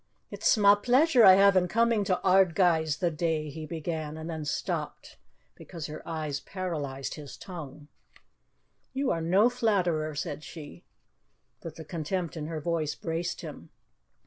"It's sma' pleasure I have in coming to Ardguys the day," he began, and then stopped, because her eyes paralyzed his tongue. "You are no flatterer," said she. But the contempt in her voice braced him.